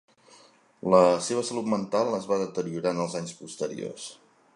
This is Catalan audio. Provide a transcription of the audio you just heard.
La seva salut mental es va deteriorar en els anys posteriors.